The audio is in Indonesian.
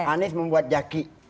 anis membuat jaki